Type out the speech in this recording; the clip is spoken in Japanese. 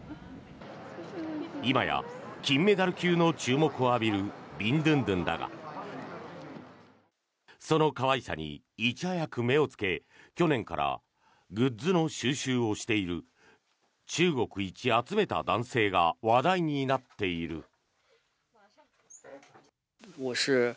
今や金メダル級の注目を浴びるビンドゥンドゥンだがその可愛さにいち早く目をつけ去年からグッズの収集をしている中国一集めた男性が話題になっている。